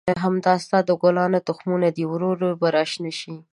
همدا ستا د ګلانو تخمونه دي، ورو ورو به را شنه شي.